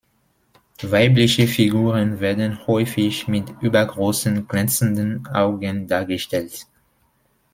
Weibliche Figuren werden häufig mit übergroßen, glänzenden Augen dargestellt.